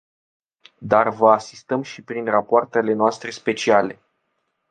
Dar vă asistăm și prin rapoartele noastre speciale.